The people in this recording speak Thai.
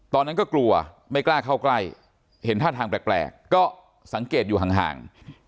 ตอนนั้นก็กลัวไม่กล้าเข้าใกล้เห็นท่าทางแปลกก็สังเกตอยู่ห่าง